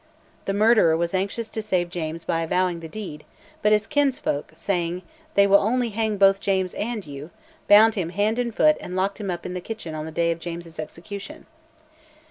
The murderer was anxious to save James by avowing the deed, but his kinsfolk, saying, "They will only hang both James and you," bound him hand and foot and locked him up in the kitchen on the day of James's execution.